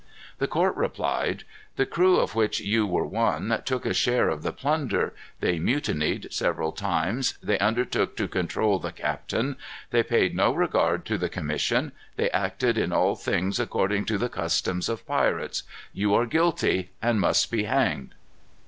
The court replied, "The crew, of which you were one, took a share of the plunder; they mutinied several times; they undertook to control the captain; they paid no regard to the commission; they acted in all things according to the customs of pirates. You are guilty, and must be hanged."